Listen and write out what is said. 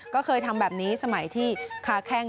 ก็เคยทำแบบนี้สมัยที่ค้าแข้ง